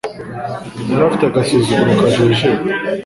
yaje afite agasuzuguro kajejeta